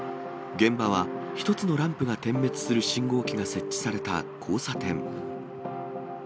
現場は１つのランプが点滅する信号機が設置された交差点。